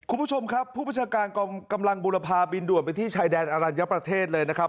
คุณผู้ชมครับผู้ประชาการกองกำลังบุรพาบินด่วนไปที่ชายแดนอรัญญประเทศเลยนะครับ